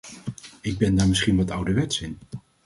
Ik ben daar misschien wat ouderwets in.